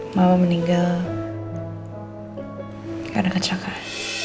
mama meninggal karena kecelakaan